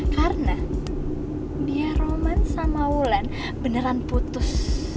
karena biar roman sama wulan beneran putus